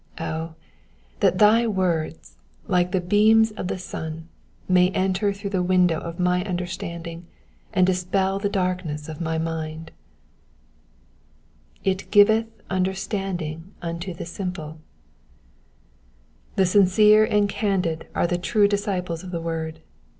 Oh, that thy words, like the beams of the sun, may enter through the window of my understanding, and dispel the darkness of my mind I /i giveth understanding unto the simple,^ ^ The sincere and candid are the true disciples of the word.